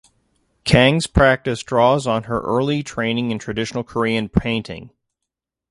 Kang’s practice draws on her early training in traditional Korean painting.